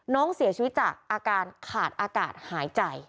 น้องเสียชีวิตจากอาการขาดอากาศหายใจ